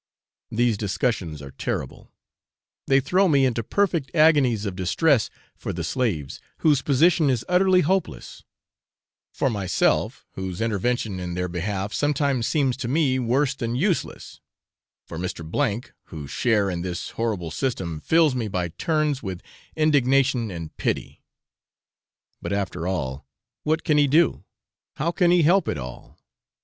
These discussions are terrible: they throw me into perfect agonies of distress for the slaves, whose position is utterly hopeless; for myself, whose intervention in their behalf sometimes seems to me worse than useless; for Mr. , whose share in this horrible system fills me by turns with indignation and pity. But, after all, what can he do? how can he help it all?